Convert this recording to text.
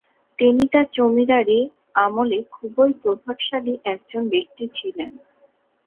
তিনি তার জমিদারী আমলে খুবই প্রভাবশালী একজন ব্যক্তি ছিলেন।